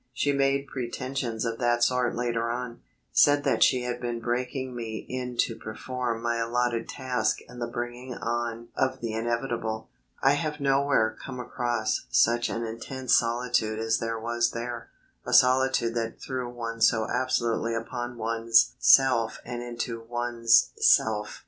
She made pretensions of that sort later on; said that she had been breaking me in to perform my allotted task in the bringing on of the inevitable. I have nowhere come across such an intense solitude as there was there, a solitude that threw one so absolutely upon one's self and into one's self.